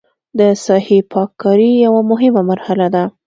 د ساحې پاک کاري یوه مهمه مرحله ده